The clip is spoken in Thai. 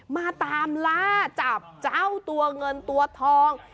มาตามล่าจับเจ้าตัวเงินตัวทอง